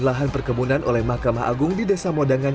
lahan perkebunan oleh mahkamah agung di desa modangan